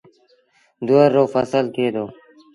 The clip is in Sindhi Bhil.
دوُور رو ڦسل ٿئي دو۔